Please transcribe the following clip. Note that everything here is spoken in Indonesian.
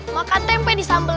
makan tempe di sambelim